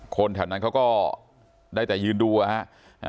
คนแถวนั้นเขาก็ได้แต่ยืนดูนะฮะ